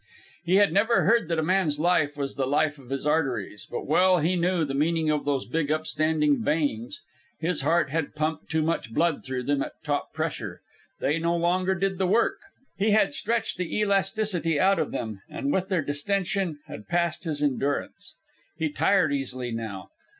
He had never heard that a man's life was the life of his arteries, but well he knew the meaning of those big upstanding veins. His heart had pumped too much blood through them at top pressure. They no longer did the work. He had stretched the elasticity out of them, and with their distension had passed his endurance. He tired easily now.